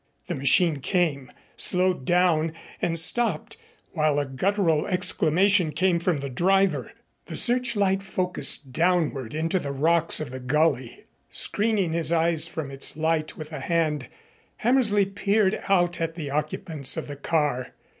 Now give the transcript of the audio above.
The machine came, slowed down and stopped while a guttural exclamation came from the driver. The searchlight focused downward into the rocks of the gully. Screening his eyes from its light with a hand, Hammersley peered out at the occupants of the car.